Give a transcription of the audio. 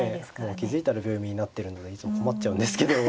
もう気付いたら秒読みになっているのでいつも困っちゃうんですけど。